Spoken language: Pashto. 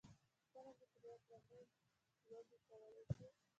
پوښتنه مې ترې وکړه: موږ لوبې کولای شو؟